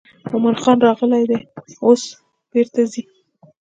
مومن خان راغلی دی او اوس بیرته ځي.